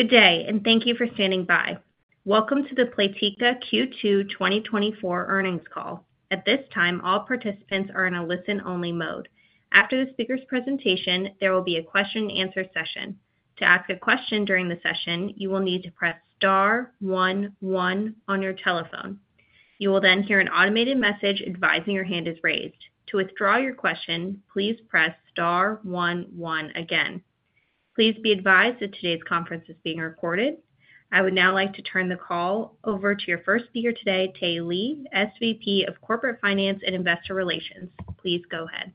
Good day, and thank you for standing by. Welcome to the Playtika Q2 2024 earnings call. At this time, all participants are in a listen-only mode. After the speaker's presentation, there will be a question and answer session. To ask a question during the session, you will need to press star one one on your telephone. You will then hear an automated message advising your hand is raised. To withdraw your question, please press star one one again. Please be advised that today's conference is being recorded. I would now like to turn the call over to your first speaker today, Tae Lee, SVP of Corporate Finance and Investor Relations. Please go ahead.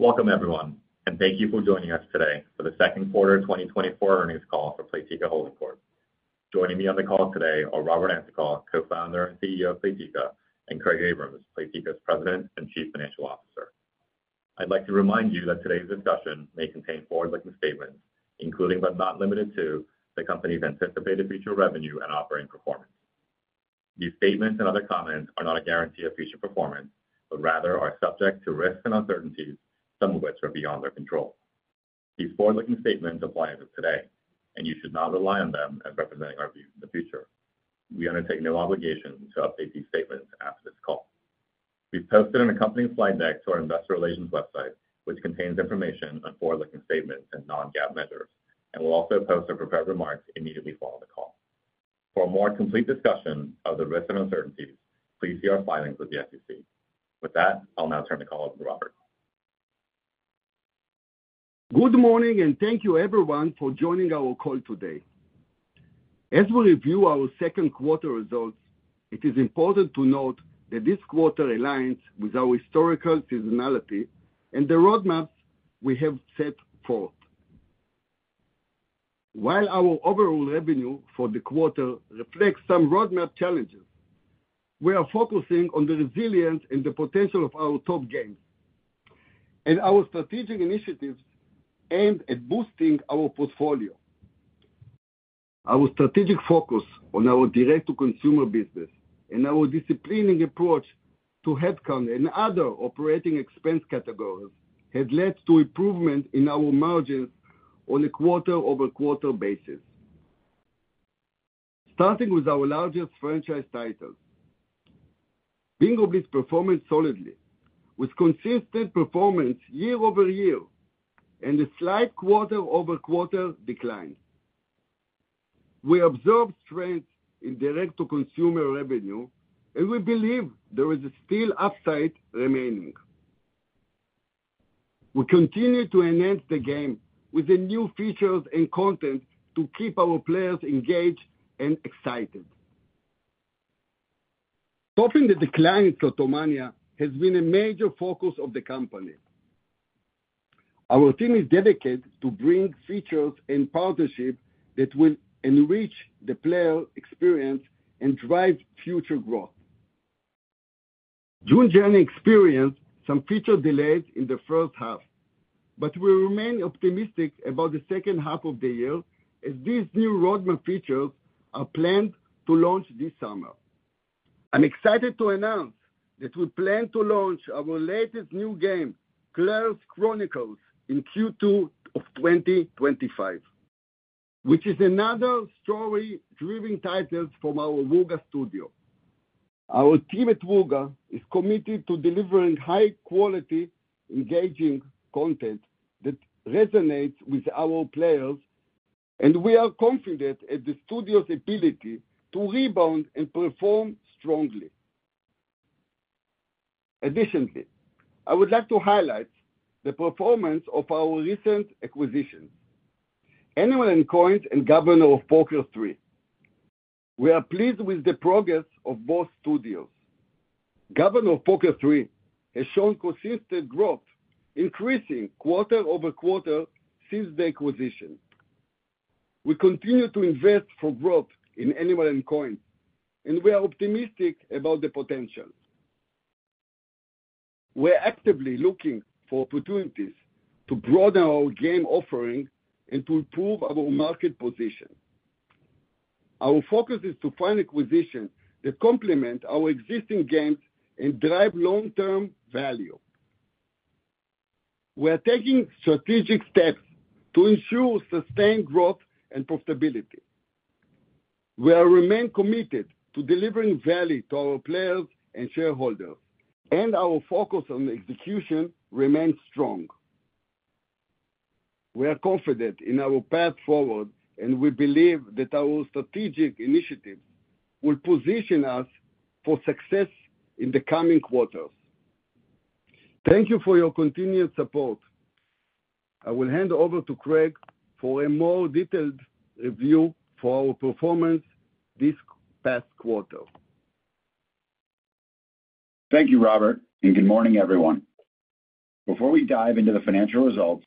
Welcome, everyone, and thank you for joining us today for the second quarter of 2024 earnings call for Playtika Holding Corp. Joining me on the call today are Robert Antokol, Co-founder and CEO of Playtika, and Craig Abrahams, Playtika's President and Chief Financial Officer. I'd like to remind you that today's discussion may contain forward-looking statements, including but not limited to, the company's anticipated future revenue and operating performance. These statements and other comments are not a guarantee of future performance, but rather are subject to risks and uncertainties, some of which are beyond their control. These forward-looking statements apply as of today, and you should not rely on them as representing our views in the future. We undertake no obligation to update these statements after this call. We've posted an accompanying slide deck to our investor relations website, which contains information on forward-looking statements and Non-GAAP measures, and we'll also post our prepared remarks immediately following the call. For a more complete discussion of the risks and uncertainties, please see our filings with the SEC. With that, I'll now turn the call over to Robert. Good morning, and thank you everyone for joining our call today. As we review our second quarter results, it is important to note that this quarter aligns with our historical seasonality and the roadmap we have set forth. While our overall revenue for the quarter reflects some roadmap challenges, we are focusing on the resilience and the potential of our top games, and our strategic initiatives aimed at boosting our portfolio. Our strategic focus on our direct-to-consumer business and our disciplined approach to headcount and other operating expense categories has led to improvement in our margins on a quarter-over-quarter basis. Starting with our largest franchise titles, Bingo is performing solidly, with consistent performance year-over-year and a slight quarter-over-quarter decline. We observed strength in direct-to-consumer revenue, and we believe there is still upside remaining. We continue to enhance the game with the new features and content to keep our players engaged and excited. Stopping the decline in Slotomania has been a major focus of the company. Our team is dedicated to bring features and partnerships that will enrich the player experience and drive future growth. June's Journey experienced some feature delays in the first half, but we remain optimistic about the second half of the year as these new roadmap features are planned to launch this summer. I'm excited to announce that we plan to launch our latest new game, Claire's Chronicles, in Q2 of 2025, which is another story-driven title from our Wooga Studio. Our team at Wooga is committed to delivering high quality, engaging content that resonates with our players, and we are confident at the studio's ability to rebound and perform strongly. Additionally, I would like to highlight the performance of our recent acquisitions, Animals & Coins and Governor of Poker 3. We are pleased with the progress of both studios. Governor of Poker 3 has shown consistent growth, increasing quarter-over-quarter since the acquisition. We continue to invest for growth in Animals & Coins, and we are optimistic about the potential. We're actively looking for opportunities to broaden our game offering and to improve our market position. Our focus is to find acquisitions that complement our existing games and drive long-term value. We are taking strategic steps to ensure sustained growth and profitability. We remain committed to delivering value to our players and shareholders, and our focus on execution remains strong. We are confident in our path forward, and we believe that our strategic initiatives will position us for success in the coming quarters. Thank you for your continued support. I will hand over to Craig for a more detailed review for our performance this past quarter. Thank you, Robert, and good morning, everyone. Before we dive into the financial results,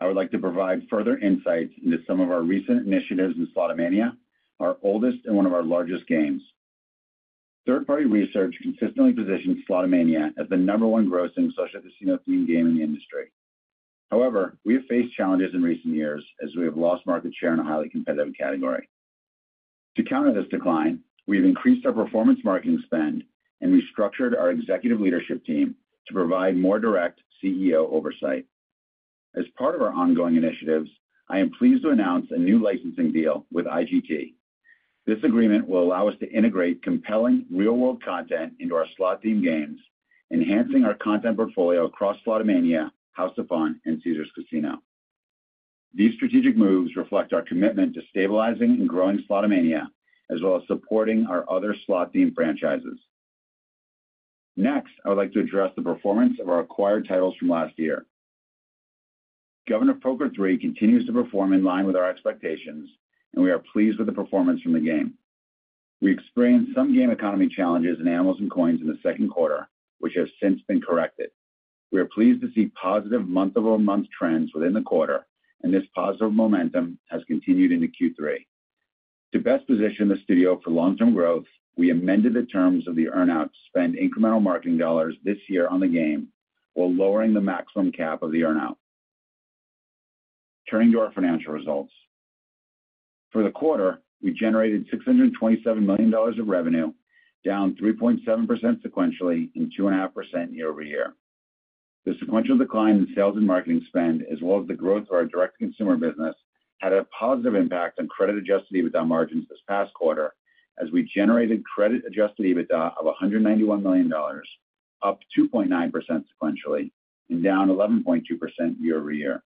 I would like to provide further insight into some of our recent initiatives in Slotomania, our oldest and one of our largest games. Third-party research consistently positions Slotomania as the number one grossing social casino theme game in the industry. However, we have faced challenges in recent years as we have lost market share in a highly competitive category.... To counter this decline, we've increased our performance marketing spend, and restructured our executive leadership team to provide more direct CEO oversight. As part of our ongoing initiatives, I am pleased to announce a new licensing deal with IGT. This agreement will allow us to integrate compelling real-world content into our slot-themed games, enhancing our content portfolio across Slotomania, House of Fun, and Caesars Casino. These strategic moves reflect our commitment to stabilizing and growing Slotomania, as well as supporting our other slot-themed franchises. Next, I would like to address the performance of our acquired titles from last year. Governor of Poker 3 continues to perform in line with our expectations, and we are pleased with the performance from the game. We experienced some game economy challenges in Animals and Coins in the second quarter, which have since been corrected. We are pleased to see positive month-over-month trends within the quarter, and this positive momentum has continued into Q3. To best position the studio for long-term growth, we amended the terms of the earn-out to spend incremental marketing dollars this year on the game, while lowering the maximum cap of the earn-out. Turning to our financial results. For the quarter, we generated $627 million of revenue, down 3.7% sequentially and 2.5% year-over-year. The sequential decline in sales and marketing spend, as well as the growth of our direct-to-consumer business, had a positive impact on credit-adjusted EBITDA margins this past quarter, as we generated credit-adjusted EBITDA of $191 million, up 2.9% sequentially and down 11.2% year-over-year.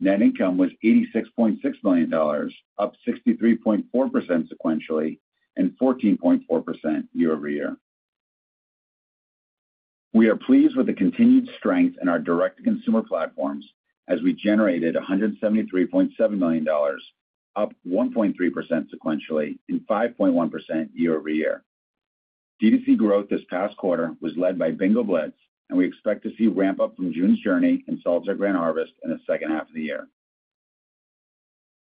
Net income was $86.6 million, up 63.4% sequentially and 14.4% year-over-year. We are pleased with the continued strength in our direct-to-consumer platforms, as we generated $173.7 million, up 1.3% sequentially and 5.1% year-over-year. D2C growth this past quarter was led by Bingo Blitz, and we expect to see ramp-up from June's Journey and Solitaire Grand Harvest in the second half of the year.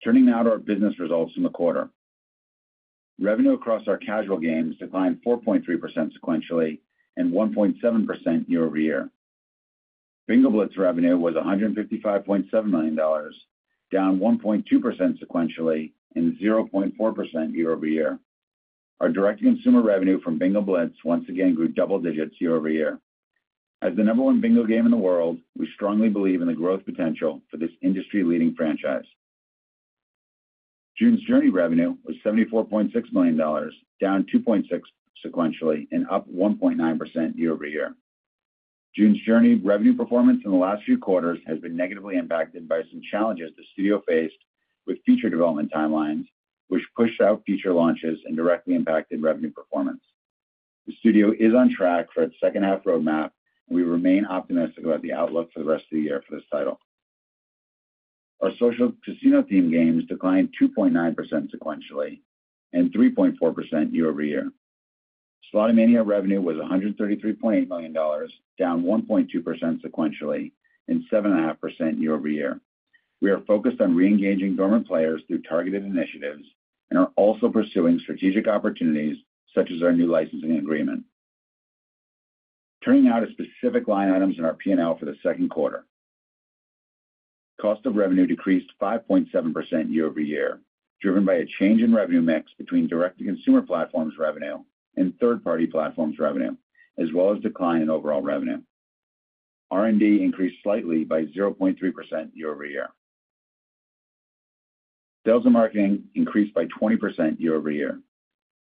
Turning now to our business results in the quarter. Revenue across our casual games declined 4.3% sequentially and 1.7% year-over-year. Bingo Blitz revenue was $155.7 million, down 1.2% sequentially and 0.4% year-over-year. Our direct-to-consumer revenue from Bingo Blitz once again grew double digits year-over-year. As the number one bingo game in the world, we strongly believe in the growth potential for this industry-leading franchise. June's Journey revenue was $74.6 million, down 2.6 sequentially and up 1.9% year-over-year. June's Journey revenue performance in the last few quarters has been negatively impacted by some challenges the studio faced with future development timelines, which pushed out future launches and directly impacted revenue performance. The studio is on track for its second-half roadmap, and we remain optimistic about the outlook for the rest of the year for this title. Our social casino-themed games declined 2.9% sequentially and 3.4% year-over-year. Slotomania revenue was $133.8 million, down 1.2% sequentially and 7.5% year-over-year. We are focused on reengaging dormant players through targeted initiatives and are also pursuing strategic opportunities, such as our new licensing agreement. Turning now to specific line items in our P&L for the second quarter. Cost of revenue decreased 5.7% year-over-year, driven by a change in revenue mix between direct-to-consumer platforms revenue and third-party platforms revenue, as well as decline in overall revenue. R&D increased slightly by 0.3% year-over-year. Sales and marketing increased by 20% year-over-year.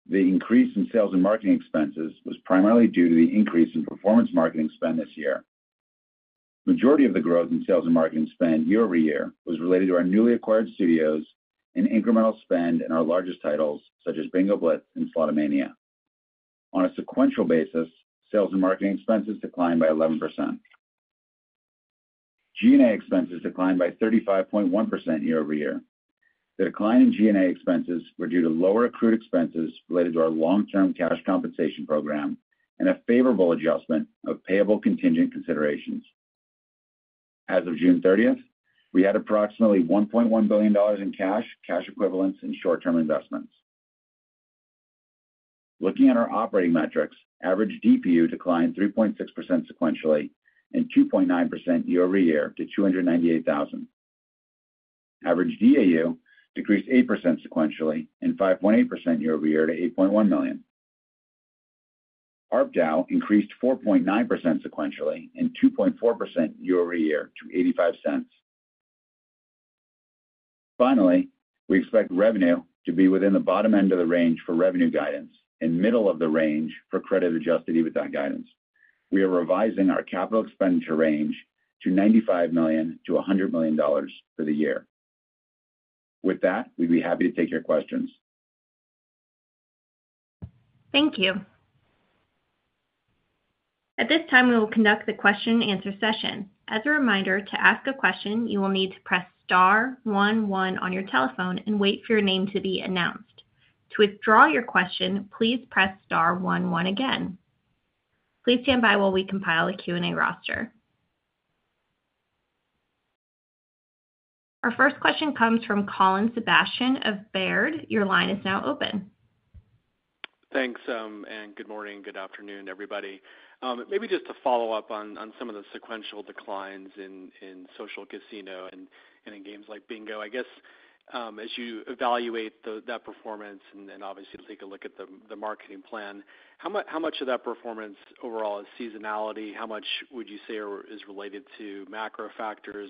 The increase in sales and marketing expenses was primarily due to the increase in performance marketing spend this year. Majority of the growth in sales and marketing spend year-over-year was related to our newly acquired studios and incremental spend in our largest titles, such as Bingo Blitz and Slotomania. On a sequential basis, sales and marketing expenses declined by 11%. G&A expenses declined by 35.1% year-over-year. The decline in G&A expenses were due to lower accrued expenses related to our long-term cash compensation program and a favorable adjustment of payable contingent considerations. As of June 30th, we had approximately $1.1 billion in cash, cash equivalents, and short-term investments. Looking at our operating metrics, average DPU declined 3.6% sequentially and 2.9% year-over-year to 298,000. Average DAU decreased 8% sequentially and 5.8% year-over-year to $8.1 million. ARPDAU increased 4.9% sequentially and 2.4% year-over-year to $0.85. Finally, we expect revenue to be within the bottom end of the range for revenue guidance and middle of the range for credit-adjusted EBITDA guidance. We are revising our capital expenditure range to $95 million-$100 million for the year. With that, we'd be happy to take your questions. Thank you. At this time, we will conduct the question-and-answer session. As a reminder, to ask a question, you will need to press star one, one on your telephone and wait for your name to be announced. To withdraw your question, please press star one, one again. Please stand by while we compile the Q&A roster. Our first question comes from Colin Sebastian of Baird. Your line is now open.... Thanks, and good morning, good afternoon, everybody. Maybe just to follow up on some of the sequential declines in social casino and in games like Bingo. I guess, as you evaluate that performance, and obviously take a look at the marketing plan, how much of that performance overall is seasonality? How much would you say is related to macro factors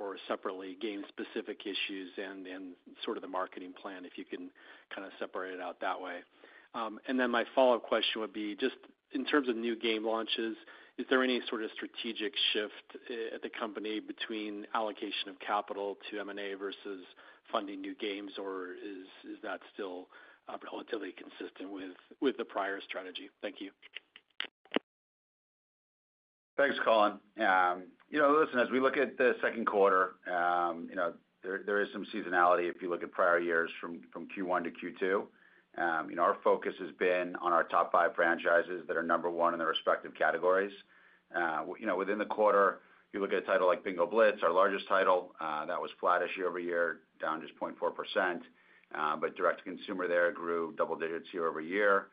or separately game-specific issues and sort of the marketing plan, if you can kind of separate it out that way? And then my follow-up question would be just in terms of new game launches, is there any sort of strategic shift at the company between allocation of capital to M&A versus funding new games, or is that still relatively consistent with the prior strategy? Thank you. Thanks, Colin. You know, listen, as we look at the second quarter, you know, there is some seasonality if you look at prior years from Q1 to Q2. You know, our focus has been on our top five franchises that are number one in their respective categories. You know, within the quarter, you look at a title like Bingo Blitz, our largest title, that was flatish year-over-year, down just 0.4%. But direct-to-consumer there grew double digits year-over-year.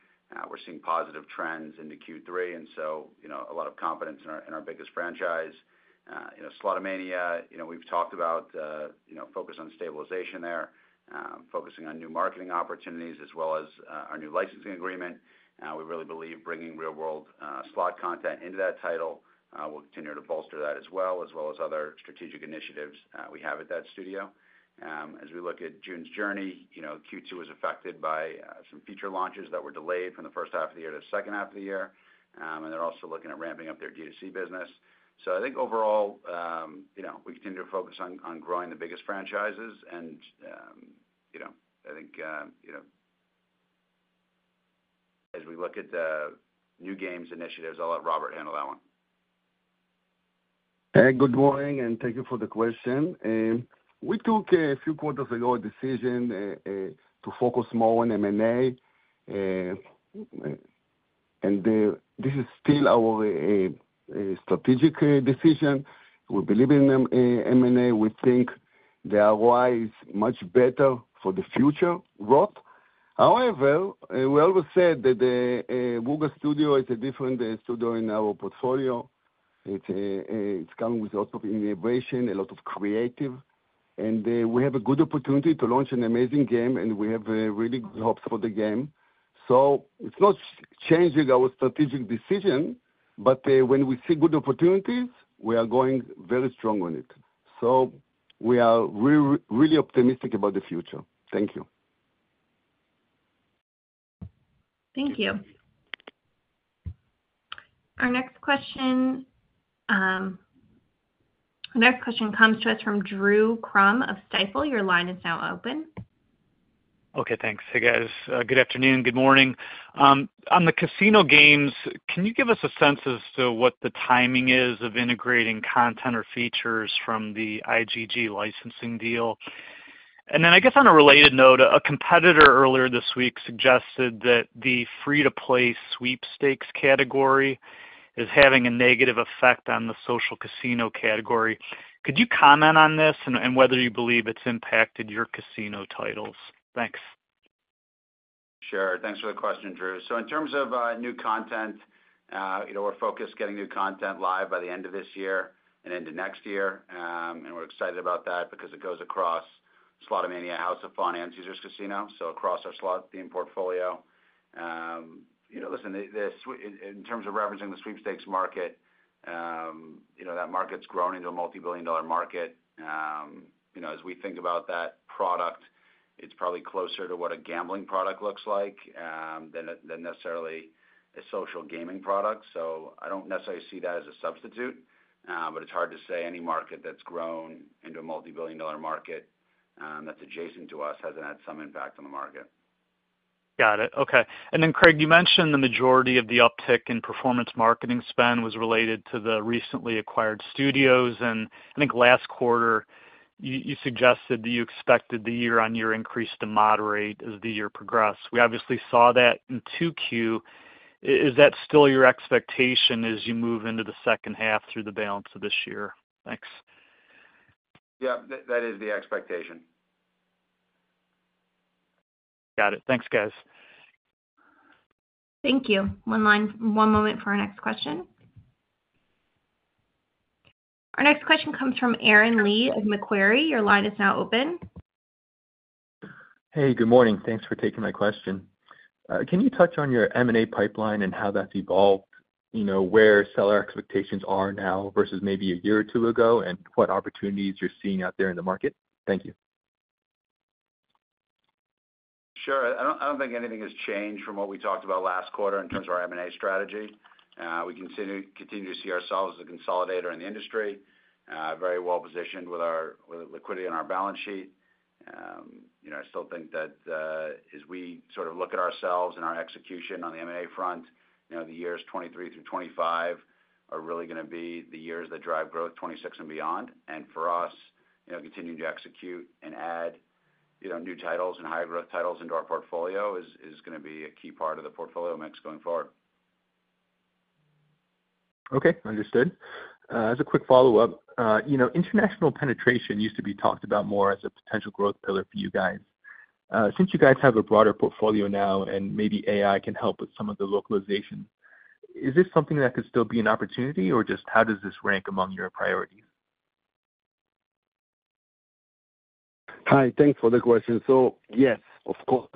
We're seeing positive trends into Q3, and so, you know, a lot of confidence in our, in our biggest franchise. You know, Slotomania, you know, we've talked about, you know, focus on stabilization there. Focusing on new marketing opportunities as well as our new licensing agreement. We really believe bringing real world slot content into that title will continue to bolster that as well, as well as other strategic initiatives we have at that studio. As we look at June's Journey, you know, Q2 was affected by some feature launches that were delayed from the first half of the year to the second half of the year. And they're also looking at ramping up their DTC business. So I think overall, you know, we continue to focus on growing the biggest franchises and, you know, I think, you know, as we look at the new games initiatives, I'll let Robert handle that one. Hey, good morning, and thank you for the question. We took a few quarters ago a decision to focus more on M&A, and this is still our strategic decision. We believe in M&A. We think the ROI is much better for the future growth. However, we always said that the Wooga Studio is a different studio in our portfolio. It's coming with a lot of innovation, a lot of creative, and we have a good opportunity to launch an amazing game, and we have really hopes for the game. So it's not changing our strategic decision, but when we see good opportunities, we are going very strong on it. So we are really optimistic about the future. Thank you. Thank you. Our next question, the next question comes to us from Drew Crum of Stifel. Your line is now open. Okay, thanks. Hey, guys, good afternoon, good morning. On the casino games, can you give us a sense as to what the timing is of integrating content or features from the IGT licensing deal? And then, I guess, on a related note, a competitor earlier this week suggested that the free-to-play sweepstakes category is having a negative effect on the social casino category. Could you comment on this and, and whether you believe it's impacted your casino titles? Thanks. Sure. Thanks for the question, Drew. So in terms of new content, you know, we're focused getting new content live by the end of this year and into next year. And we're excited about that because it goes across Slotomania, House of Fun, and Caesars Casino, so across our slot theme portfolio. You know, listen, in terms of referencing the sweepstakes market, you know, that market's grown into a $multi-billion market. You know, as we think about that product, it's probably closer to what a gambling product looks like than necessarily a social gaming product. So I don't necessarily see that as a substitute, but it's hard to say any market that's grown into a $multi-billion market that's adjacent to us, hasn't had some impact on the market. Got it. Okay. And then, Craig, you mentioned the majority of the uptick in performance marketing spend was related to the recently acquired studios. And I think last quarter, you suggested that you expected the year-on-year increase to moderate as the year progressed. We obviously saw that in 2Q. Is that still your expectation as you move into the second half through the balance of this year? Thanks. Yeah, that, that is the expectation. Got it. Thanks, guys. Thank you. One moment for our next question. Our next question comes from Aaron Lee of Macquarie. Your line is now open. Hey, good morning. Thanks for taking my question. Can you touch on your M&A pipeline and how that's evolved? You know, where seller expectations are now versus maybe a year or two ago, and what opportunities you're seeing out there in the market? Thank you. Sure. I don't think anything has changed from what we talked about last quarter in terms of our M&A strategy. We continue to see ourselves as a consolidator in the industry, very well positioned with the liquidity on our balance sheet. You know, I still think that, as we sort of look at ourselves and our execution on the M&A front, you know, the years 2023 through 2025 are really gonna be the years that drive growth 2026 and beyond. For us, you know, continuing to execute and add, you know, new titles and high growth titles into our portfolio is gonna be a key part of the portfolio mix going forward. Okay, understood. As a quick follow-up, you know, international penetration used to be talked about more as a potential growth pillar for you guys. Since you guys have a broader portfolio now, and maybe AI can help with some of the localization, is this something that could still be an opportunity, or just how does this rank among your priorities? Hi, thanks for the question. So yes, of course,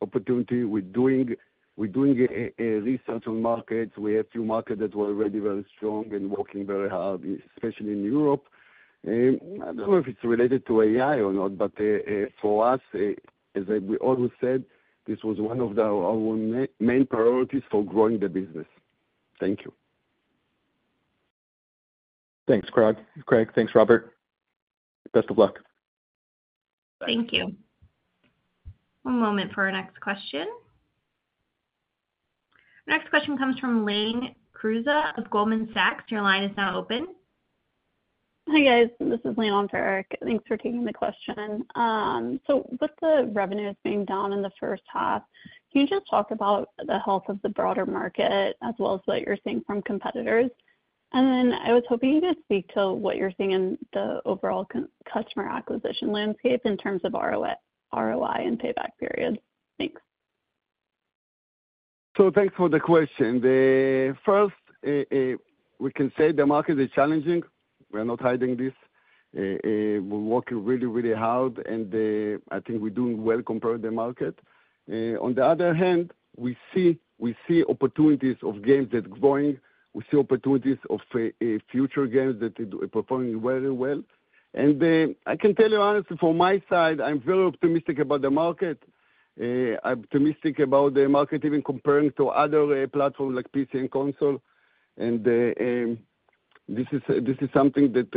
opportunity we're doing, we're doing research on markets. We have two markets that were already very strong and working very hard, especially in Europe. I don't know if it's related to AI or not, but, for us, as we always said, this was one of our main priorities for growing the business. Thank you. Thanks, Craig. Craig. Thanks, Robert. Best of luck. Thank you. One moment for our next question. Next question comes from Lane Czura of Goldman Sachs. Your line is now open. Hi, guys, this is Lane on for Eric. Thanks for taking the question. So with the revenues being down in the first half, can you just talk about the health of the broader market as well as what you're seeing from competitors? And then I was hoping you could speak to what you're seeing in the overall customer acquisition landscape in terms of ROI, ROI and payback period. Thanks. So thanks for the question. The first, we can say the market is challenging. We are not hiding this. We're working really, really hard, and I think we're doing well compared to the market. On the other hand, we see opportunities of games that's growing. We see opportunities of future games that are performing very well. And I can tell you honestly, from my side, I'm very optimistic about the market. I'm optimistic about the market, even comparing to other platforms like PC and console. And this is something that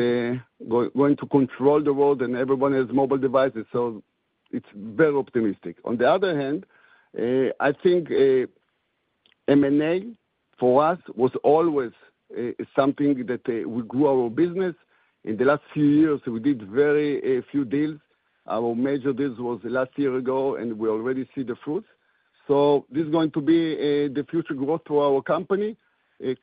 we're going to control the world and everyone has mobile devices, so it's very optimistic. On the other hand, I think M&A, for us, was always something that we grew our business. In the last few years, we did very few deals. Our major deals was last year ago, and we already see the fruits. So this is going to be the future growth to our company,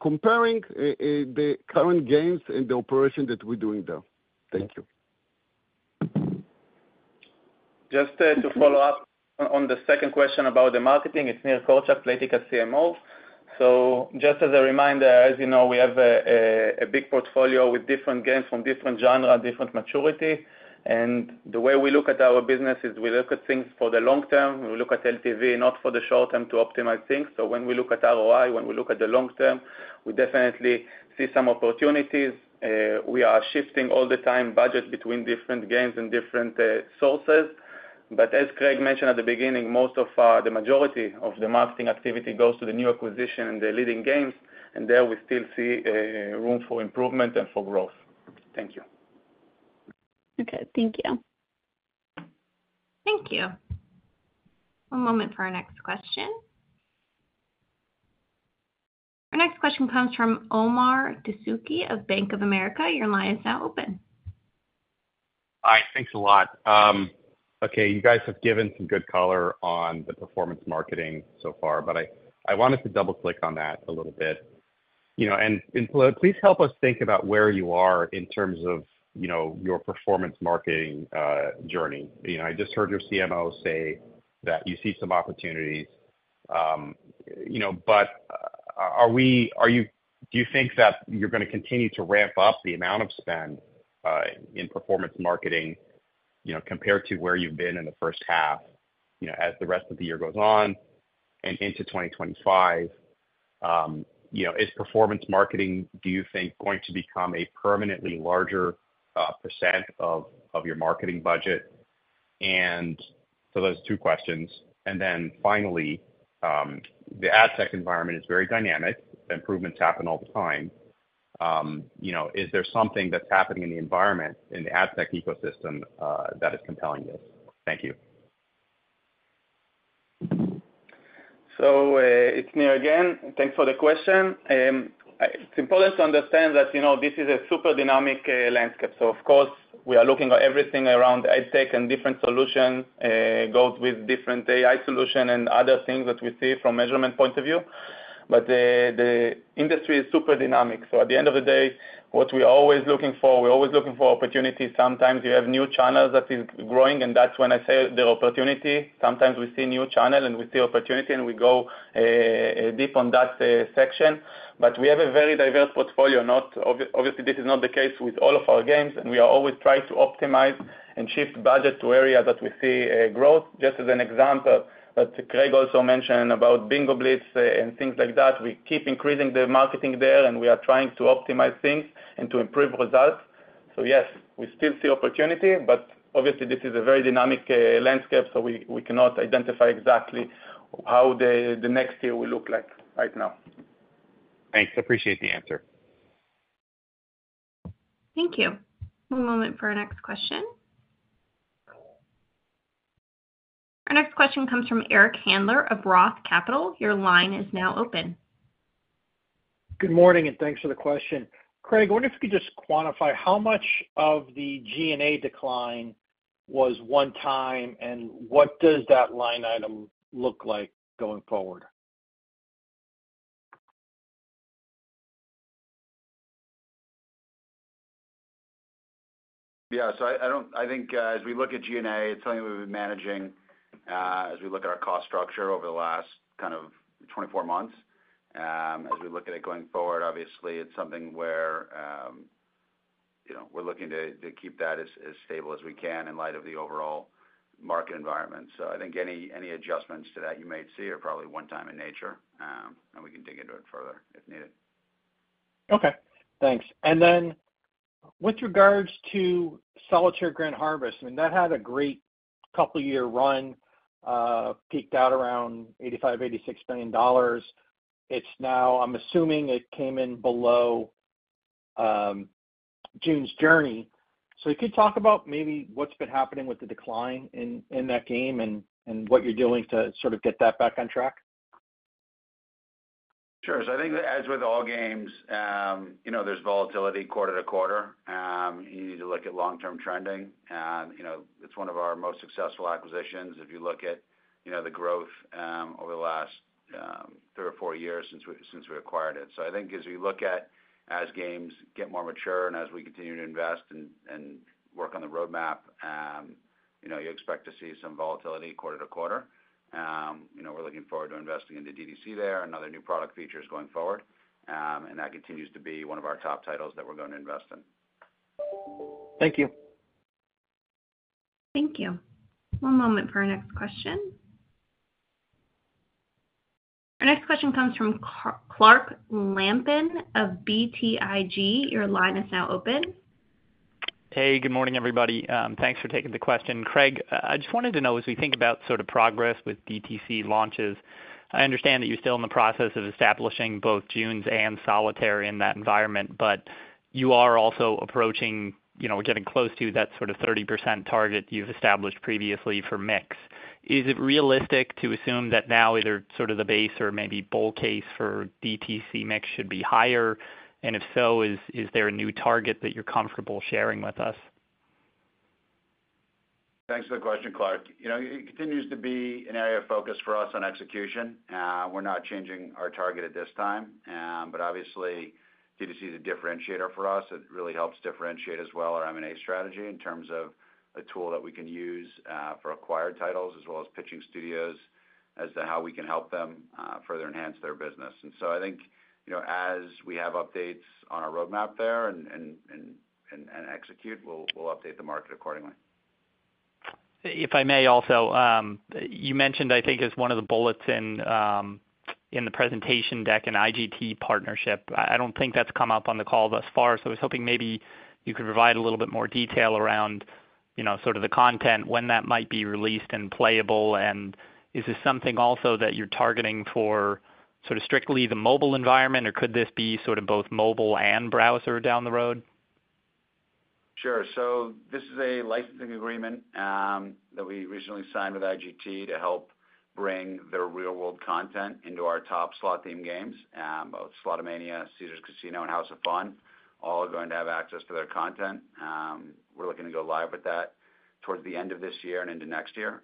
comparing the current gains and the operation that we're doing there. Thank you. Just to follow up on the second question about the marketing, it's Nir Korczak, Playtika CMO. So just as a reminder, as you know, we have a big portfolio with different games from different genre, different maturity. And the way we look at our business is we look at things for the long term. We look at LTV, not for the short term, to optimize things. So when we look at ROI, when we look at the long term, we definitely see some opportunities. We are shifting all the time budgets between different games and different sources. But as Craig mentioned at the beginning, most of the majority of the marketing activity goes to the new acquisition and the leading games, and there we still see room for improvement and for growth. Thank you. Okay, thank you. Thank you. One moment for our next question. Our next question comes from Omar Dessouky of Bank of America. Your line is now open. Hi, thanks a lot. Okay, you guys have given some good color on the performance marketing so far, but I wanted to double-click on that a little bit. You know, and please help us think about where you are in terms of, you know, your performance marketing journey. You know, I just heard your CMO say that you see some opportunities. You know, but are you- do you think that you're gonna continue to ramp up the amount of spend in performance marketing, you know, compared to where you've been in the first half, you know, as the rest of the year goes on and into 2025? You know, is performance marketing, do you think, going to become a permanently larger % of your marketing budget? And so those are two questions. And then finally, the ad tech environment is very dynamic. Improvements happen all the time. You know, is there something that's happening in the environment, in the ad tech ecosystem, that is compelling you? Thank you. So, it's Nir again. Thanks for the question. It's important to understand that, you know, this is a super dynamic landscape. So of course, we are looking at everything around ad tech and different solution goes with different AI solution and other things that we see from measurement point of view. But the industry is super dynamic. So at the end of the day, what we're always looking for, we're always looking for opportunity. Sometimes you have new channels that is growing, and that's when I say the opportunity. Sometimes we see new channel and we see opportunity, and we go deep on that section. But we have a very diverse portfolio, not obviously, this is not the case with all of our games, and we are always trying to optimize and shift budget to areas that we see growth. Just as an example, that Craig also mentioned about Bingo Blitz and things like that, we keep increasing the marketing there, and we are trying to optimize things and to improve results. So yes, we still see opportunity, but obviously this is a very dynamic landscape, so we cannot identify exactly how the next year will look like right now. Thanks. I appreciate the answer. Thank you. One moment for our next question. Our next question comes from Eric Handler of Roth Capital. Your line is now open. Good morning, and thanks for the question. Craig, I wonder if you could just quantify how much of the G&A decline was one time, and what does that line item look like going forward? Yeah, so I think, as we look at G&A, it's something we've been managing, as we look at our cost structure over the last kind of 24 months. As we look at it going forward, obviously, it's something where, you know, we're looking to keep that as stable as we can in light of the overall market environment. So I think any adjustments to that you may see are probably one-time in nature, and we can dig into it further if needed. Okay, thanks. And then with regards to Solitaire Grand Harvest, I mean, that had a great couple year run, peaked out around $85 million-$86 million. It's now, I'm assuming it came in below, June's Journey. So could you talk about maybe what's been happening with the decline in, in that game and, and what you're doing to sort of get that back on track? Sure. So I think as with all games, you know, there's volatility quarter to quarter. You need to look at long-term trending. And, you know, it's one of our most successful acquisitions if you look at, you know, the growth, over the last, three or four years since we acquired it. So I think as we look at, as games get more mature and as we continue to invest and work on the roadmap, you know, you expect to see some volatility quarter to quarter. You know, we're looking forward to investing into DTC there, and other new product features going forward. And that continues to be one of our top titles that we're going to invest in. Thank you. Thank you. One moment for our next question. Our next question comes from Clark Lampen of BTIG. Your line is now open. Hey, good morning, everybody. Thanks for taking the question. Craig, I just wanted to know, as we think about sort of progress with DTC launches, I understand that you're still in the process of establishing both June's and Solitaire in that environment, but you are also approaching, you know, or getting close to that sort of 30% target you've established previously for mix. Is it realistic to assume that now either sort of the base or maybe bull case for DTC mix should be higher? And if so, is, is there a new target that you're comfortable sharing with us? Thanks for the question, Clark. You know, it continues to be an area of focus for us on execution. We're not changing our target at this time, but obviously, DTC is a differentiator for us. It really helps differentiate as well our M&A strategy in terms of a tool that we can use, for acquired titles, as well as pitching studios as to how we can help them, further enhance their business. And so I think, you know, as we have updates on our roadmap there and execute, we'll update the market accordingly. If I may also, you mentioned, I think, as one of the bullets in the presentation deck, an IGT partnership. I don't think that's come up on the call thus far, so I was hoping maybe you could provide a little bit more detail around, you know, sort of the content, when that might be released and playable. And is this something also that you're targeting for sort of strictly the mobile environment, or could this be sort of both mobile and browser down the road? Sure. So this is a licensing agreement that we originally signed with IGT to help bring their real-world content into our top slot theme games, both Slotomania, Caesars Casino and House of Fun, all are going to have access to their content. We're looking to go live with that towards the end of this year and into next year.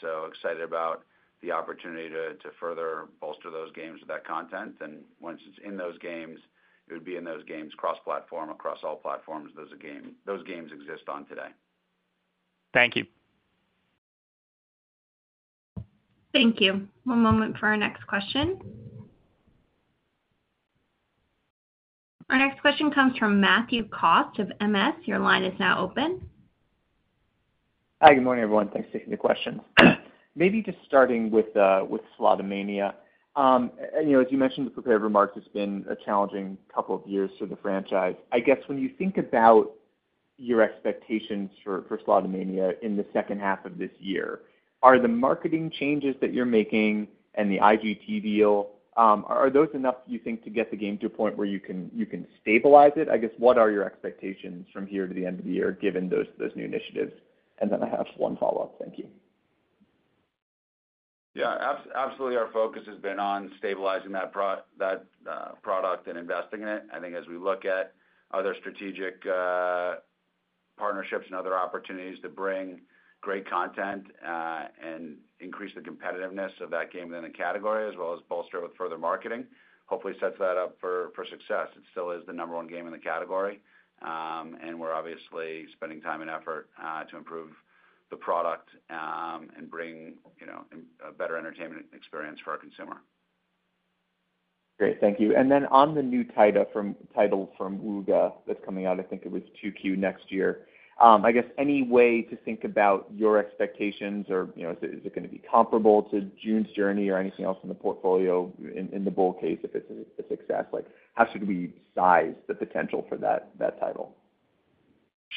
So excited about the opportunity to further bolster those games with that content. And once it's in those games, it would be in those games cross-platform, across all platforms those games exist on today. Thank you. Thank you. One moment for our next question. Our next question comes from Matthew Cost of Morgan Stanley. Your line is now open. Hi, good morning, everyone. Thanks for taking the questions. Maybe just starting with Slotomania. And you know, as you mentioned in the prepared remarks, it's been a challenging couple of years for the franchise. I guess when you think about your expectations for Slotomania in the second half of this year, are the marketing changes that you're making and the IGT deal, are those enough, do you think, to get the game to a point where you can stabilize it? I guess, what are your expectations from here to the end of the year, given those new initiatives? And then I have one follow-up. Thank you. Yeah. Absolutely, our focus has been on stabilizing that product and investing in it. I think as we look at other strategic partnerships and other opportunities to bring great content and increase the competitiveness of that game within the category, as well as bolster it with further marketing, hopefully sets that up for success. It still is the number one game in the category. And we're obviously spending time and effort to improve the product and bring, you know, a better entertainment experience for our consumer. Great, thank you. And then on the new title from, title from Wooga that's coming out, I think it was 2Q next year. I guess any way to think about your expectations or, you know, is it, is it gonna be comparable to June's Journey or anything else in the portfolio in, in the bull case, if it's a, a success? Like, how should we size the potential for that, that title?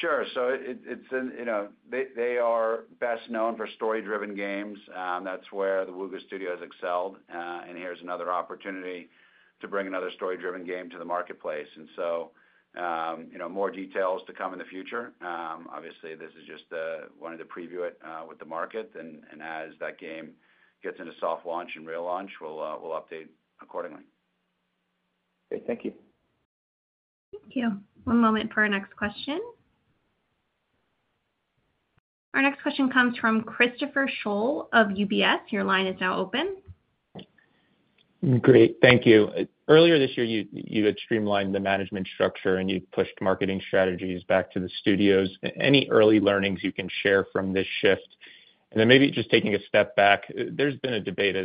Sure. So it's in, you know, they are best known for story-driven games. That's where the Wooga Studios excelled. And here's another opportunity to bring another story-driven game to the marketplace. And so, you know, more details to come in the future. Obviously, this is just wanted to preview it with the market. And as that game gets into soft launch and real launch, we'll update accordingly. Great, thank you. Thank you. One moment for our next question. Our next question comes from Christopher Schoell of UBS. Your line is now open. Great. Thank you. Earlier this year, you had streamlined the management structure, and you pushed marketing strategies back to the studios. Any early learnings you can share from this shift? And then maybe just taking a step back, there's been a debate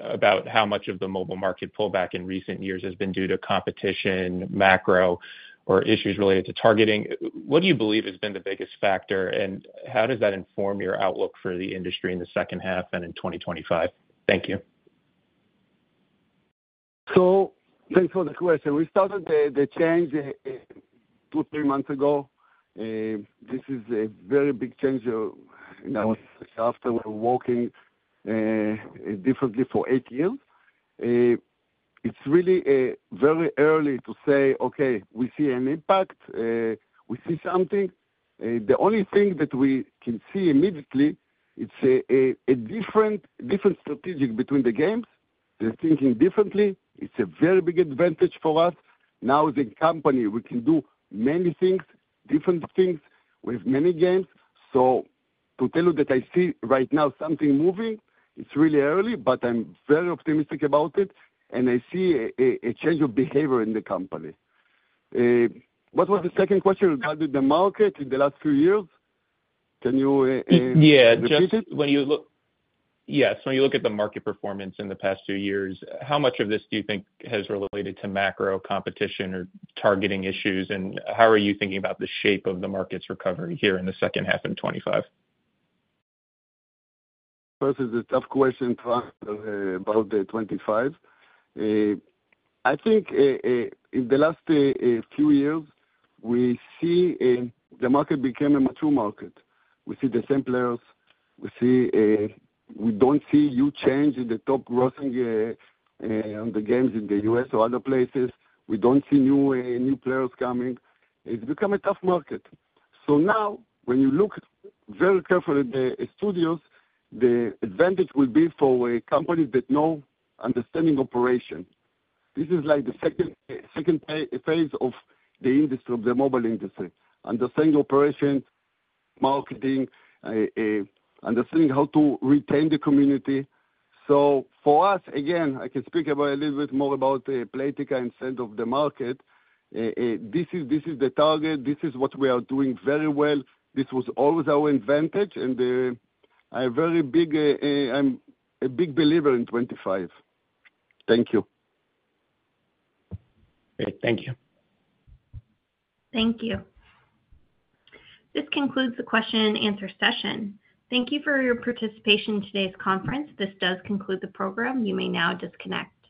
about how much of the mobile market pullback in recent years has been due to competition, macro, or issues related to targeting. What do you believe has been the biggest factor, and how does that inform your outlook for the industry in the second half and in 2025? Thank you. So thanks for the question. We started the change 2-3 months ago. This is a very big change, you know, after we're working differently for eight years. It's really very early to say, "Okay, we see an impact, we see something." The only thing that we can see immediately, it's a different strategic between the games. They're thinking differently. It's a very big advantage for us. Now, as a company, we can do many things, different things with many games. So to tell you that I see right now something moving, it's really early, but I'm very optimistic about it, and I see a change of behavior in the company. What was the second question regarding the market in the last few years? Can you repeat it? When you look at the market performance in the past two years, how much of this do you think has related to macro competition or targeting issues? And how are you thinking about the shape of the market's recovery here in the second half in 2025? First, it's a tough question about 2025. I think, in the last few years, we see the market became a mature market. We see the same players. We don't see new change in the top-grossing games in the US or other places. We don't see new players coming. It's become a tough market. So now, when you look very carefully at the studios, the advantage will be for a company that know understanding operation. This is like the second phase of the industry, of the mobile industry, understanding operation, marketing, understanding how to retain the community. So for us, again, I can speak about a little bit more about Playtika instead of the market. This is the target. This is what we are doing very well. This was always our advantage, and I'm a big believer in 2025. Thank you. Great. Thank you. Thank you. This concludes the question and answer session. Thank you for your participation in today's conference. This does conclude the program. You may now disconnect.